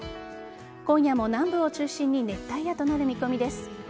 今夜も南部を中心に熱帯夜となる見込みです。